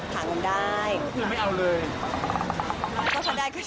ก็ถ้าได้ก็ฉีด